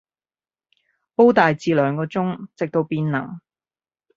煲大致兩個鐘，直到變腍